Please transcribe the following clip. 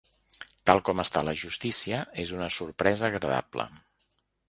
Tal com està la justícia, és una sorpresa agradable.